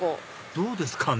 どうですかね？